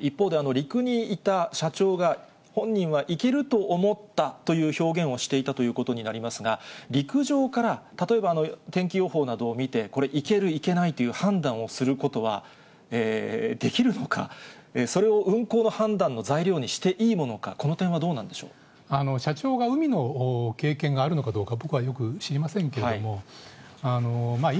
一方で、陸にいた社長が本人は行けると思ったという表現をしていたということになりますが、陸上から、例えば、天気予報などを見て、これ、行ける、行けないという判断をすることは、できるのか、それを運航の判断の材料にしていいものか、この点はどうなんでし社長が海の経験があるのかどうか、僕はよく知りませんけれども、今。